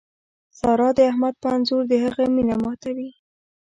سارا د احمد په انځور د هغه مینه ماتوي.